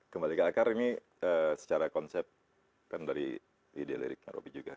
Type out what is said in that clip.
kembali ke akar ini secara konsep kan dari ide lirik roby juga